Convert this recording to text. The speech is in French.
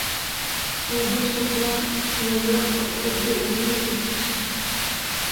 Pour d'autres auteurs, ces mêmes œuvres datent de la jeunesse de Poussin.